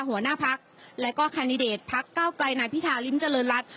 หัวหน้าพักและก็แคนดิเดตพักเก้าไกลนายพิธาริมเจริญรัฐ